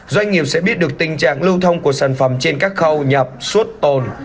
doanh nghiệp sẽ biết được tình trạng lưu thông của sản phẩm trên các khâu nhập suốt tồn